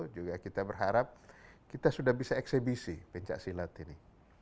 juga kita berharap kita sudah bisa eksebisi pencaksilat ini